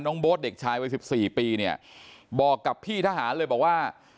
โบ๊ทเด็กชายวัย๑๔ปีเนี่ยบอกกับพี่ทหารเลยบอกว่า